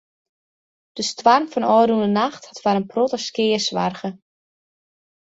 De stoarm fan de ôfrûne nacht hat foar in protte skea soarge.